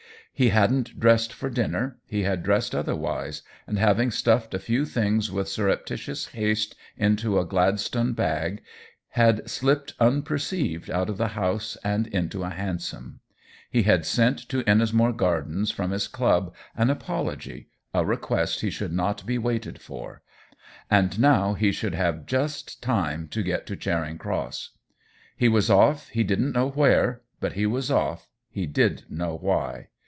He hadn't dressed for dinner, he had dressed otherwise, and having stuffed a few things with surreptitious haste into a Gladstone bag, had slipped unperceived out of the house and into a hansom. He had sent to Ennismore Gardens, from his club, an apology — a request he should not be waited for; and now he should just have time to get to Charing Cross. He was off he didn't know where, but he was off he did know why.